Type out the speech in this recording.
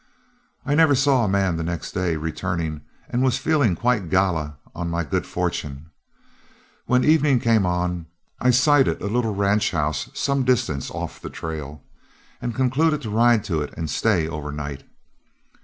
I never saw a man the next day returning, and was feeling quite gala on my good fortune. When evening came on, I sighted a little ranch house some distance off the trail, and concluded to ride to it and stay overnight.